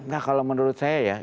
nah kalau menurut saya ya